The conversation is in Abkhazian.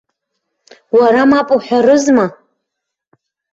Уара мап уҳәарызма?